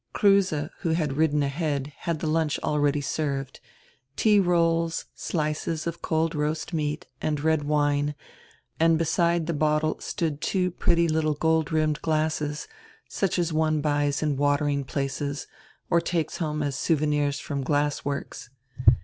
Kruse, who had ridden ahead, had tire lunch already served — tea rolls, slices of cold roast meat, and red wine, and beside the bottle stood two pretty little gold rimmed glasses, such as one buys in watering places or takes home as souvenirs from glass works.